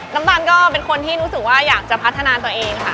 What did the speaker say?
น้ำตาลก็เป็นคนที่รู้สึกว่าอยากจะพัฒนาตัวเองค่ะ